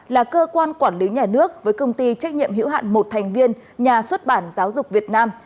là cơ quan quản lý nhà nước với công ty trách nhiệm hữu hạn một thành viên nhà xuất bản giáo dục việt nam